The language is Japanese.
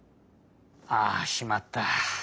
ああしまった！